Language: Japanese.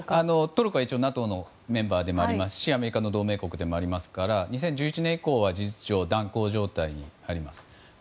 トルコは一応ＮＡＴＯのメンバーでもありますしアメリカの同盟国でもありますから２０１１年以降は事実上、断交状態にあります。